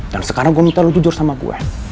dan sekarang gue mau tahu lo jujur sama gue